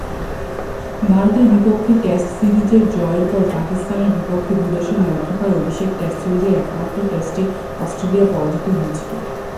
ভারতের বিপক্ষে test series জয়ের পর পাকিস্তানের বিপক্ষে দু’দেশের মধ্যকার অভিষেক টেস্ট সিরিজের একমাত্র টেস্টে অস্ট্রেলিয়া পরাজিত হয়েছিল।